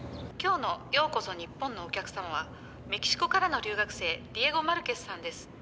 今日の『ようこそニッポン』のお客様はメキシコからの留学生ディエゴ・マルケスさんです。